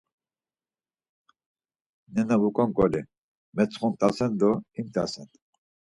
Nena vuǩon ǩoli metsxont̆asen do imt̆asen.